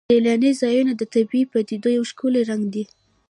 سیلاني ځایونه د طبیعي پدیدو یو ښکلی رنګ دی.